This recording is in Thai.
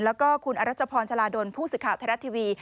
แล้วก็คุณอรัชพรชลาดลผู้สื่อข่าวไทยรัฐทีวี